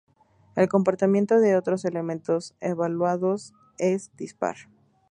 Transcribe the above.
El comportamiento de otros elementos evaluados es dispar.